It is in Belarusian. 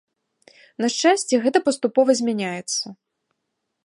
На шчасце, гэта паступова змяняецца.